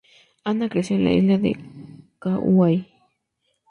Anna creció en la isla de Kauai.